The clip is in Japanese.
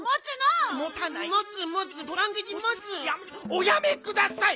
おやめください！